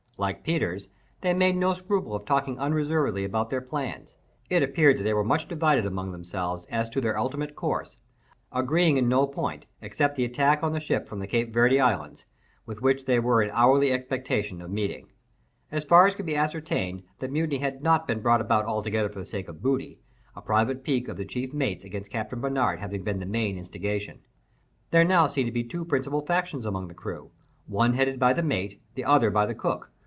Like Peters, they made no scruple of talking unreservedly about their plans. It appeared that they were much divided among themselves as to their ultimate course, agreeing in no point, except the attack on the ship from the Cape Verd Islands, with which they were in hourly expectation of meeting. As far as could be ascertained, the mutiny had not been brought about altogether for the sake of booty; a private pique of the chief mate's against Captain Barnard having been the main instigation. There now seemed to be two principal factions among the crew—one headed by the mate, the other by the cook.